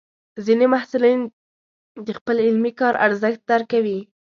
ځینې محصلین د خپل علمي کار ارزښت درکوي.